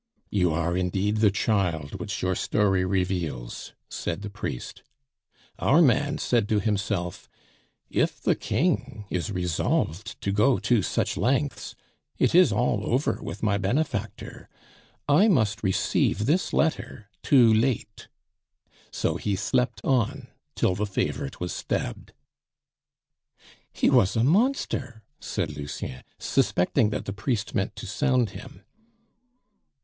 "You are indeed the child which your story reveals!" said the priest. "Our man said to himself, 'If the King is resolved to go to such lengths, it is all over with my benefactor; I must receive this letter too late;' so he slept on till the favorite was stabbed " "He was a monster!" said Lucien, suspecting that the priest meant to sound him.